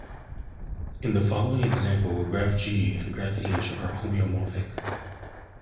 In the following example, graph G and graph H are homeomorphic.